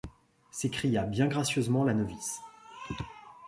s’escria bien gracieusement la novice.